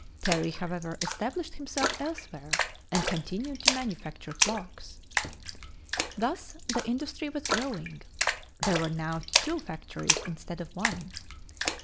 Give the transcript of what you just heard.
Terry, however, established himself elsewhere and continued to manufacture clocks. Thus the industry was growing; there were now two factories instead of one.